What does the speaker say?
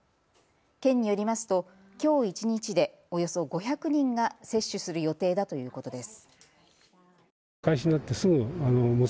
県によりますときょう一日でおよそ５００人が接種する予定だということです。